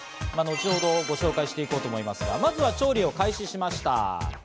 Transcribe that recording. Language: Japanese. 後ほどご紹介して行こうと思いますが、まずは調理を開始しました。